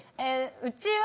うちは。